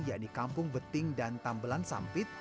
yakni kampung beting dan tambelan sampit